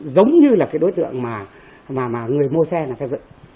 giống như là cái đối tượng mà người mua xe này phải dựng